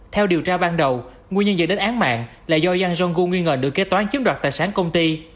theo điều tra ban đầu nguyên nhân dẫn đến án mạng là do yang rong gu nghi ngờ nữ kế toán chiếm đoạt tài sản công ty